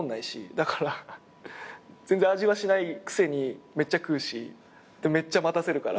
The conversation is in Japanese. だから全然味はしないくせにめっちゃ食うしめっちゃ待たせるから。